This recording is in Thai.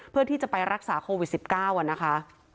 เพื่อที่จะไปรักษาโควิด๑๙นะคะ